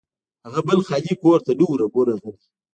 هغه بل خالي کور ته نه و ورغلی.